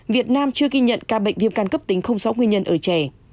việt nam chưa ghi nhận ca bệnh viêm căn cấp tính không rõ nguyên nhân ở trẻ